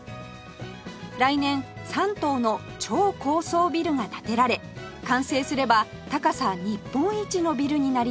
来年３棟の超高層ビルが建てられ完成すれば高さ日本一のビルになります